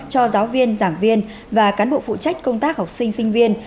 cho giáo viên giảng viên và cán bộ phụ trách công tác học sinh sinh viên